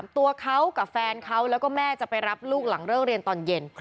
ตัวเขากับแฟนเขาแล้วก็แม่จะไปรับลูกหลังเลิกเรียนตอนเย็น